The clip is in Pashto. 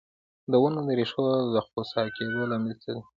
د ونو د ریښو د خوسا کیدو لامل څه دی؟